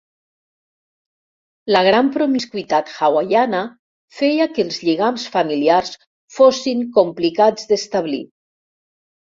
La gran promiscuïtat hawaiana feia que els lligams familiars fossin complicats d'establir.